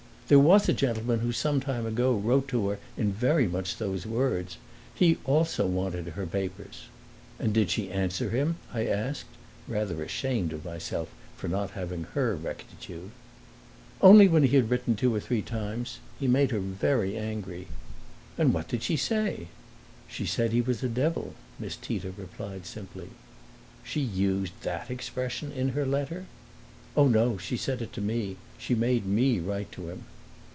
"There was a gentleman who some time ago wrote to her in very much those words. He also wanted her papers." "And did she answer him?" I asked, rather ashamed of myself for not having her rectitude. "Only when he had written two or three times. He made her very angry." "And what did she say?" "She said he was a devil," Miss Tita replied simply. "She used that expression in her letter?" "Oh, no; she said it to me. She made me write to him."